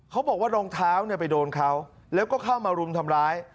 รองเท้าไปโดนเขาแล้วก็เข้ามารุมทำร้าย